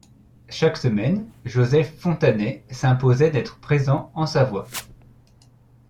Chaque semaine, Joseph Fontanet s'imposait d'être présent en Savoie.